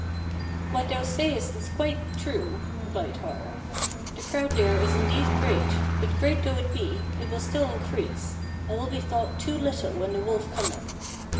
"What thou sayest is quite true," replied Har, "the crowd there is indeed great, but great though it be, it will still increase, and will be thought too little when the wolf cometh.